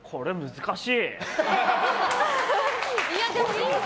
難しい。